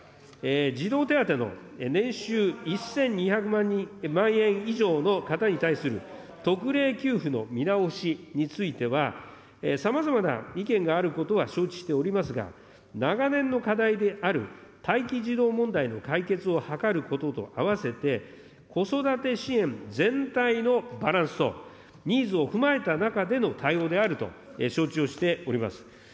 児童手当の年収１２００万円以上の方に対する特例給付の見直しについては、さまざまな意見があることは承知しておりますが、長年の課題である待機児童問題の解決を図ることと併せて、子育て支援全体のバランスとニーズを踏まえた中での対応であると承知をしております。